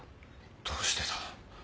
どうしてだ？